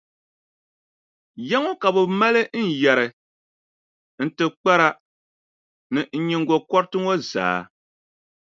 Ya ŋɔ ka bɛ maali n yɛri, n tibikpara ni n nyiŋgokɔriti ŋɔ zaa.